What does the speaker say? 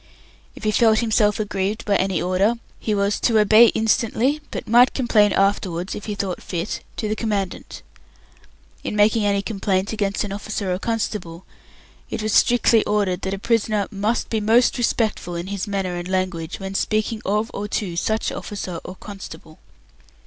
If he felt himself aggrieved by any order, he was "to obey it instantly, but might complain afterwards, if he thought fit, to the Commandant. In making any complaint against an officer or constable it was strictly ordered that a prisoner "must be most respectful in his manner and language, when speaking of or to such officer or constable".